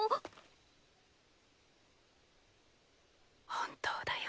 本当だよ。